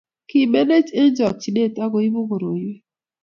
kimenech eng' chokchine akuibu koroiwek